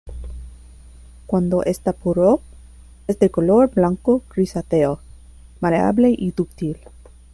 Cuando está puro, es de color blanco grisáceo, maleable y dúctil.